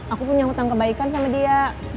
aku punya hutang kebaikan sama dia